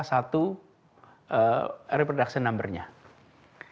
yang merupakan number reproduction